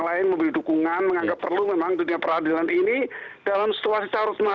lain membeli dukungan menganggap perlu memang dunia peradilan ini dalam situasi taruh semuanya